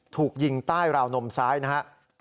ถูกยิงใต้ราวนมซ้ายนะครับ